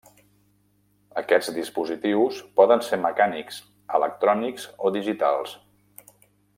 Aquests dispositius poden ser mecànics, electrònics o digitals.